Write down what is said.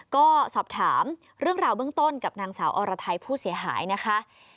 ก็สอบถามเรื่องราวเบื้องต้นกับนางสาวอรไทยผู้เสียหายนะคะ